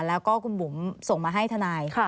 แล้วก็คุณบุ๋มส่งมาให้ทนาย